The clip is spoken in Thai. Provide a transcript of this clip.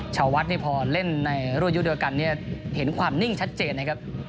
เชาวัสต์ที่พอเล่นรถยกดุระกันเนี่ยเห็นความนิ่งชัดเจนนะครับ